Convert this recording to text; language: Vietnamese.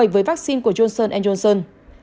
bảy với vaccine của johnson johnson